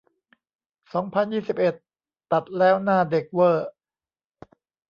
สองพันยี่สิบเอ็ด ตัดแล้วหน้าเด็กเว่อร์